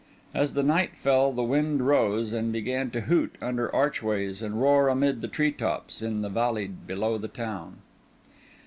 As the night fell the wind rose, and began to hoot under archways and roar amid the tree tops in the valley below the town.